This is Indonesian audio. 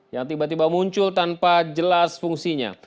yang tiba tiba muncul tanpa jelas fungsinya